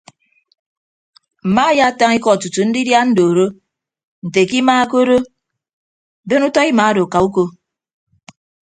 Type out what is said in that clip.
Mma ayaatañ iko tutu ndidia andooro nte ke ima ke odo ben utọ ima odo ka uko.